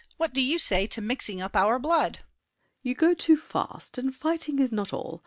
What do you say to mixing up our blood? SAVERNY. You go too fast, and fighting is not all.